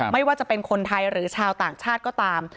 ไม่ว่าจะเป็นคนไทยหรือชาวต่างชาติก็ตาม